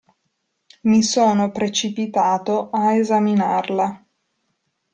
Mi sono precipitato a esaminarla.